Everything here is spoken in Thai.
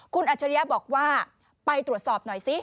คุณอัจฉริยะบอกว่าไปตรวจสอบหน่อยซิ